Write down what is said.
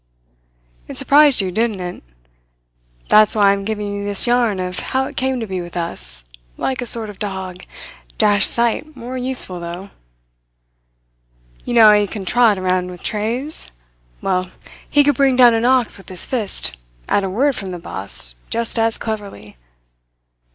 "It surprised you, didn't it? That's why I am giving you this yarn of how he came to be with us, like a sort of dog dashed sight more useful, though. You know how he can trot around with trays? Well, he could bring down an ox with his fist, at a word from the boss, just as cleverly.